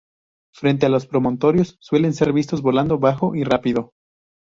Frente a los promontorios suelen ser vistos volando bajo y rápido.